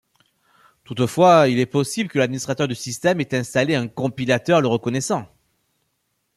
Toutefois, il est possible que l'administrateur du système ait installé un compilateur le reconnaissant.